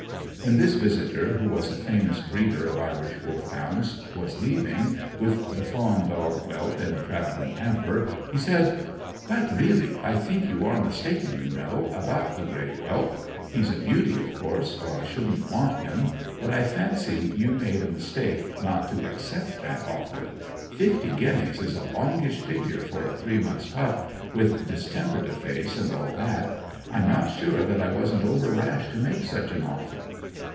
When this visitor, who was a famous breeder of Irish Wolfhounds, was leaving, with the fawn dog whelp in a travelling hamper, he said "But, really, I think you are mistaken, you know, about the grey whelp. He's a beauty, of course, or I shouldn't want him; but I fancy you made a mistake not to accept that offer. Fifty guineas is a longish figure for a three months' pup, with distemper to face and all that. I'm not sure that I wasn't over rash to make such an offer."